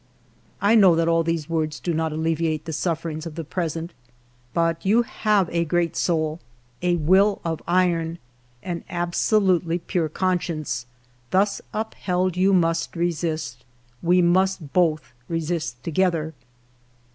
..." I know that all these words do not alleviate the sufferings of the present ; but you have a great soul, a will of iron, an absolutely pure con science ; thus upheld, you must resist, we must both resist together.